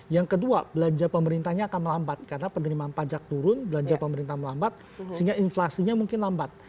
yang kedua belanja pemerintahnya akan melambat karena penerimaan pajak turun belanja pemerintah melambat sehingga inflasinya mungkin lambat